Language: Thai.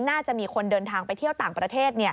น่าจะมีคนเดินทางไปเที่ยวต่างประเทศ